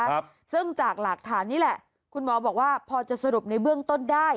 ครับซึ่งจากหลักฐานนี้แหละคุณหมอบอกว่าพอจะสรุปในเบื้องต้นได้